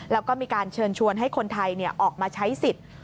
แล้วก็มีการเชิญชวนให้คนไทยออกมาใช้สิทธิ์